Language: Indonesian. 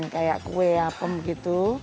kayak kue apem gitu